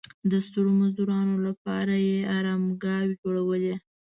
د ستړو مزدورانو لپاره یې ارامګاوې جوړولې.